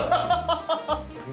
ハハハハ。